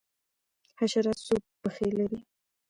حشرات څو پښې لري؟